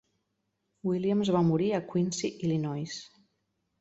Williams va morir a Quincy, Illinois.